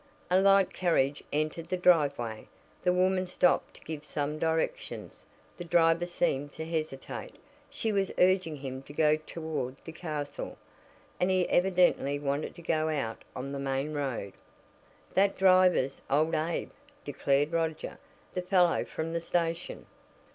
A light carriage entered the driveway. The woman stopped to give some directions. The driver seemed to hesitate. She was urging him to go toward the castle, and he evidently wanted to go out on the main road. "That driver's old Abe," declared Roger, "the fellow from the station."